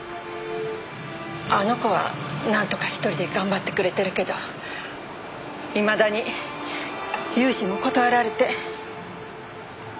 あの子はなんとか一人で頑張ってくれてるけどいまだに融資も断られて。